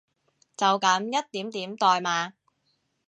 就噉一點點代碼